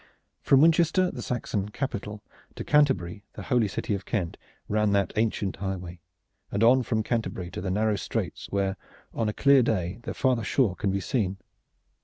From Winchester, the Saxon capital, to Canterbury, the holy city of Kent, ran that ancient highway, and on from Canterbury to the narrow straits where, on a clear day, the farther shore can be seen.